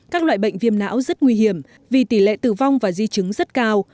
các loại bệnh viêm não rất nguy hiểm vì tỷ lệ tử vong và di chứng rất cao